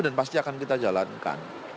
dan pasti akan kita jalankan